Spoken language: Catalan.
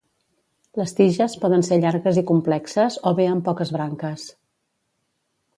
Les tiges poden ser llargues i complexes o bé amb poques branques.